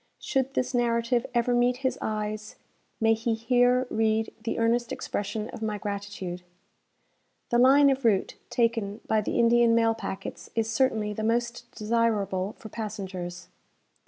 Should this narrative ever meet his eyes, may he here read the earnest expression of my gratitude. The line of route taken by the Indian mail packets is certainly the most desirable for passengers.